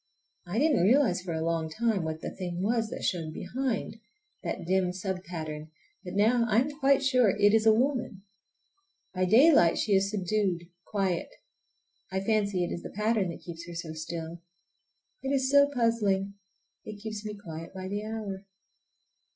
I didn't realize for a long time what the thing was that showed behind,—that dim sub pattern,—but now I am quite sure it is a woman. By daylight she is subdued, quiet. I fancy it is the pattern that keeps her so still. It is so puzzling. It keeps me quiet by the hour.